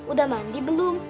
udah mandi belum